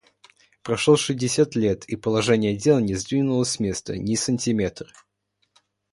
Прошло шестьдесят лет — и положение дел не сдвинулось с места ни сантиметр.